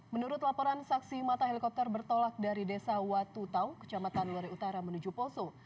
menurut laporan saksi mata helikopter bertolak dari desa watu tau kecamatan lore utara menuju poso